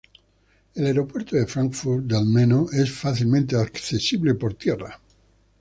El Aeropuerto de Fráncfort del Meno es fácilmente accesible por tierra.